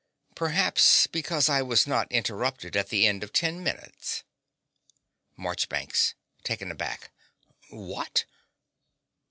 Perhaps because I was not interrupted at the end of ten minutes. MARCHBANKS (taken aback). What!